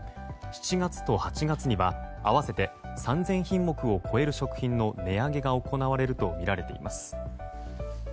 ７月と８月には合わせて３０００品目を超える食品の値上げが行われるとみられています。